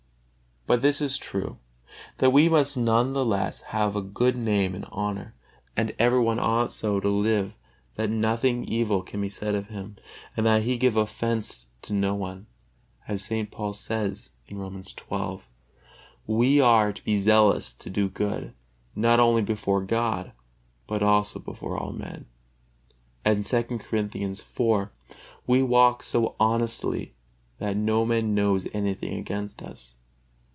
But this is true, that we must none the less have a good name and honor, and every one ought so to live that nothing evil can be said of him, and that he give offence to no one, as St. Paul says, Romans xii: "We are to be zealous to do good, not only before God, but also before all men." And II. Corinthians iv: "We walk so honestly that no man knows anything against us."